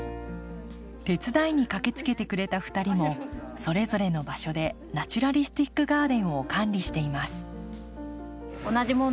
手伝いに駆けつけてくれた２人もそれぞれの場所でナチュラリスティックガーデンを管理しています。